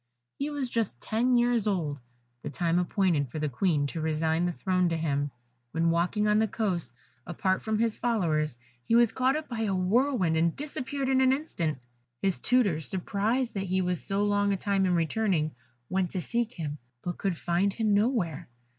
He was just ten years old, the time appointed for the Queen to resign the throne to him, when, walking on the coast, apart from his followers, he was caught up by a whirlwind, and disappeared in an instant. His tutors, surprised that he was so long a time in returning, went to seek him, but could find him nowhere.